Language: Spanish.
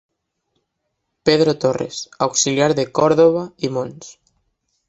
Pedro Torres, auxiliar de Córdoba y Mons.